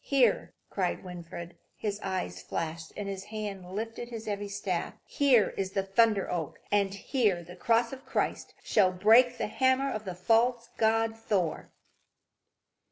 "Here," cried Winfried, as his eyes flashed and his hand lifted his heavy staff, "here is the Thunder oak; and here the cross of Christ shall break the hammer of the false god Thor."